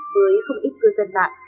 với không ít cư dân bạn